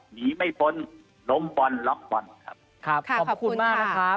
หนีไม่พ้นล้มบอลล็อกบอลครับครับขอบคุณมากนะครับ